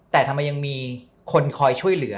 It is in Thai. แต่ทำไมยังมีคนคอยช่วยเหลือ